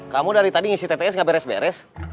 kamu dari tadi ngisi tts gak beres beres